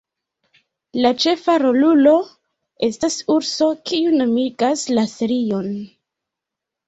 La ĉefa rolulo estas urso kiu nomigas la serion.